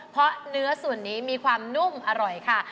เพราะเนื้อส่วนนี้มีความนุ่มอร่อยค่ะ